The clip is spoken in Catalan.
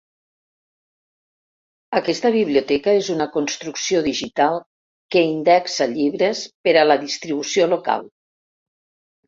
Aquesta biblioteca és una construcció digital que indexa llibres per a la distribució local.